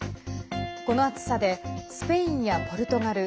この暑さでスペインやポルトガル